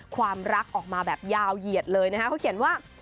ความรักออกมาแบบยาวเหยียดเลยนะคะเขาเขียนว่า